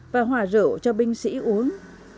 và hòa rượu cho binh sĩ uống